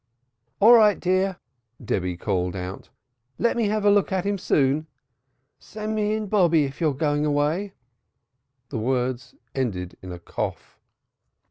"All right, dear," Debby called out. "Let me have a look at him soon. Send me in Bobby if you're going away." The words ended in a cough.